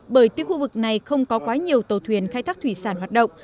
bởi từ khu vực này không có quá nhiều tàu thuyền khai thác thủy sản hoạt động